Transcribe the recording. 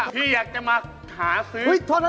ที่อยากจะมาหาซื้อ